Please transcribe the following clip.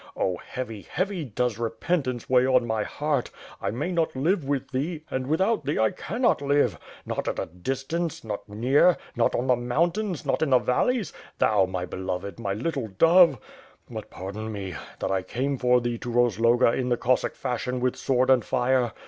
Oh heavy, heavy does re pentance weigh on my heart I may not live with thee; and, without thee, I canot live! Not at a distance, not near, not on the mountains, not in the valleys — thou, my beloved, my little dove I But pardon me, that I came for thee to Rozloga in the Cossack fashion with sword and fire.